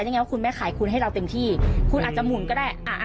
ดีกว่าดีกว่า